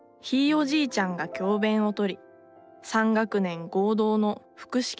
おじいちゃんが教べんをとり３学年合同の複式